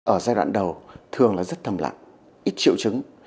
ở giai đoạn đầu thường là rất thầm lặng ít triệu chứng